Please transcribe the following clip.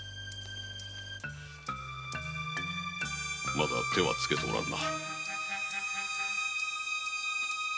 まだ手はつけておらんな。